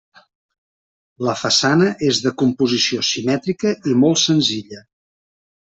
La façana és de composició simètrica i molt senzilla.